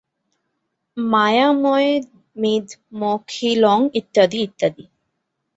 মায়াময়মিদমখিলং ইত্যাদি ইত্যাদি।